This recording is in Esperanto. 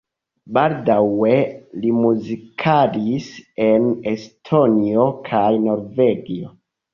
Baldaŭe li muzikadis en Estonio kaj Norvegio.